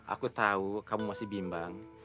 aku tahu kamu masih bimbang